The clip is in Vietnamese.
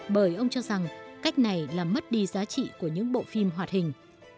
bởi ông cho rằng cách này là mất đi giá trị của những bộ phim hoạt hình